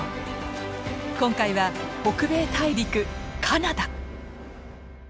今回は北米大陸カナダ！